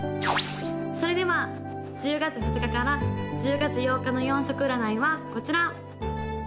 ・それでは１０月２日から１０月８日の４色占いはこちら！